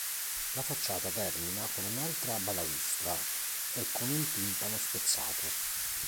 La facciata termina con un'altra balaustra e con un timpano spezzato.